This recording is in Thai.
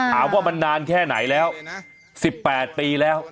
ถามว่ามันนานแค่ไหนแล้ว๑๘ปีแล้ว